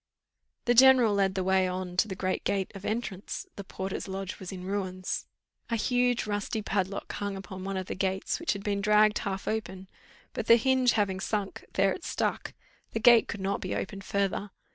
The general led the way on to the great gate of entrance: the porter's lodge was in ruins. A huge rusty padlock hung upon one of the gates, which had been dragged half open, but, the hinge having sunk, there it stuck the gate could not be opened further.